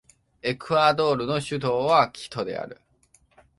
エクアドルの首都はキトである